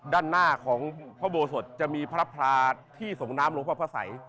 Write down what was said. ด้านหน้าของพระโบสถจะมีพระพราที่ส่งน้ำหลวงพ่อพระสัย